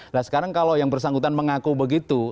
nah sekarang kalau yang bersangkutan mengaku begitu